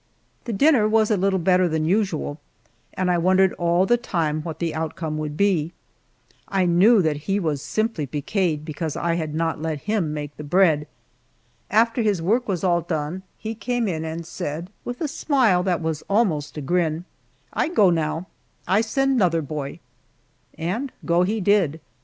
The dinner was a little better than usual, and I wondered all the time what the outcome would be. I knew that he was simply piqued because I had not let him make the bread. After his work was all done he came in and said, with a smile that was almost a grin, "I go now I send 'nother boy," and go he did.